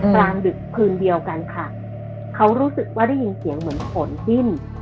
กลางดึกคืนเดียวกันค่ะเขารู้สึกว่าได้ยินเสียงเหมือนฝนดิ้น